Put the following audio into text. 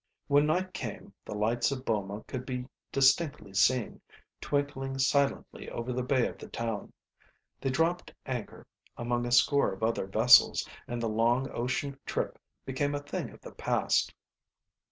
When night came the lights of Boma could be distinctly seen, twinkling silently over the bay of the town. They dropped anchor among a score of other vessels; and the long ocean trip became a thing of the past.